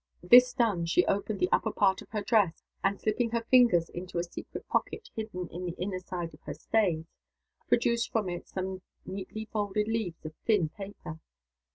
This done, she opened the upper part of her dress, and, slipping her fingers into a secret pocket hidden in the inner side of her stays, produced from it some neatly folded leaves of thin paper.